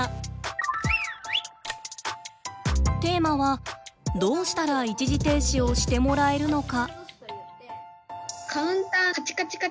テーマはどうしたら一時停止をしてもらえるのか。